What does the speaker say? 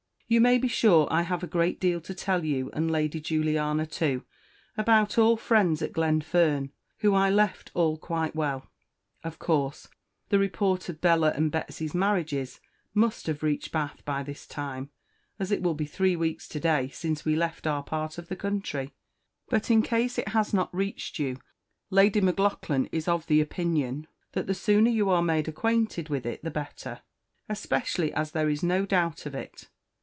You may be sure I have a great Deal to tell you and Lady Juliana too, about all Friends at Glenfern, whom I left all quite Well. Of course, the Report of Bella's and Betsy's marriages Must have reached Bath by this time, as it will be three Weeks to day since we left our part of the country; but in case it has not reached you, Lady M'Laughlan is of opinion that the Sooner you are made Acquainted with it the Better, especially as there is no doubt of it.